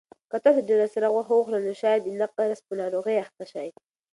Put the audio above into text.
که تاسو ډېره سره غوښه وخورئ نو شاید د نقرس په ناروغۍ اخته شئ.